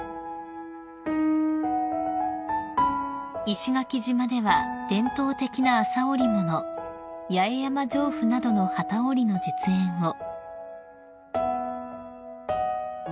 ［石垣島では伝統的な麻織物八重山上布などの機織りの実演を］